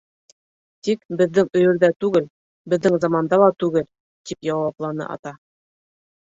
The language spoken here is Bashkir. Тик беҙҙең өйөрҙә түгел, беҙҙең заманда ла түгел, — тип яуапланы Ата.